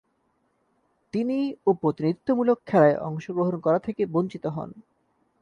তিনি ও প্রতিনিধিত্বমূলক খেলায় অংশগ্রহণ করা থেকে বঞ্চিত হন।